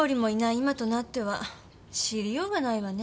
今となっては知りようがないわね。